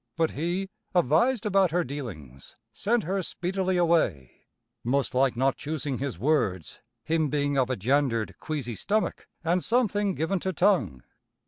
But he, avised about her dealings, sent her speedily away, most like not choosing his words, him being of a jandered, queazy stomach, an' something given to tongue.